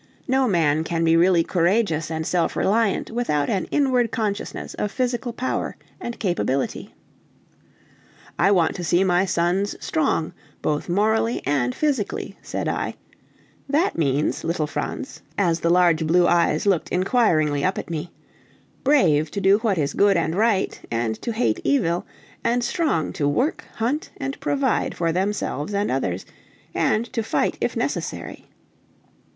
No man can be really courageous and self reliant without an inward consciousness of physical power and capability. "I want to see my sons strong, both morally and physically," said I; "that means, little Franz," as the large blue eyes looked inquiringly up at him, "brave to do what is good and right, and to hate evil, and strong to work, hunt, and provide for themselves and others, and to fight if necessary."